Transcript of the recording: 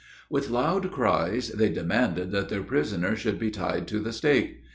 With loud cries, they demanded that their prisoner should be tied to the stake.